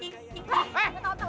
eh gue tau tau